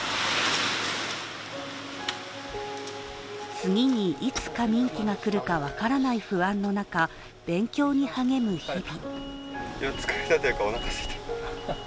次にいつ過眠期が来るか分からない不安の中、勉強に励む日々。